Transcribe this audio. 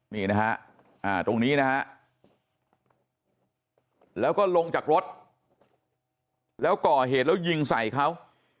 นี่นะฮะตรงนี้นะฮะแล้วก็ลงจากรถแล้วก่อเหตุแล้วยิงใส่เขา